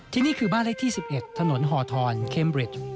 นี่คือบ้านเลขที่๑๑ถนนหอทรเคมบริด